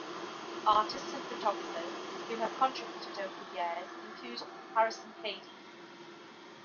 Artists and photographers who have contributed over the years include Harrison Cady.